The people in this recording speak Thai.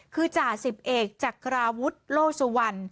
คือจ่าสิบเอกจักราวุฒิโลสุวรรณ